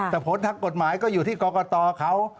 แต่ผลทางกฎหมายก็อยู่ที่กรกตเขา